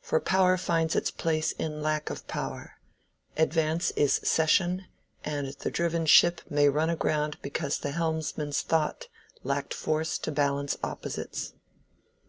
For power finds its place in lack of power; Advance is cession, and the driven ship May run aground because the helmsman's thought Lacked force to balance opposites."